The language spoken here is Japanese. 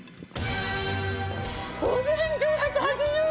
５９８０円！